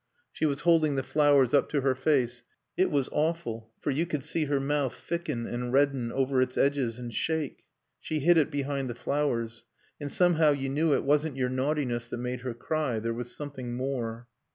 She was holding the flowers up to her face. It was awful, for you could see her mouth thicken and redden over its edges and shake. She hid it behind the flowers. And somehow you knew it wasn't your naughtiness that made her cry. There was something more.